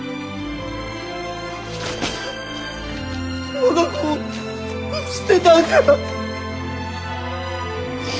我が子を捨てたんだ。